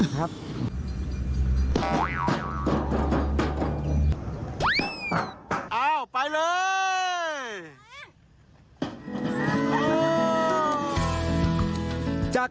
กลับวันนั้นไม่เอาหน่อย